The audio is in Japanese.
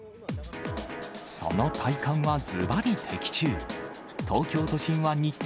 その体感はずばり的中。